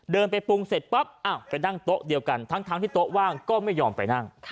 ไปปรุงเสร็จปั๊บไปนั่งโต๊ะเดียวกันทั้งที่โต๊ะว่างก็ไม่ยอมไปนั่ง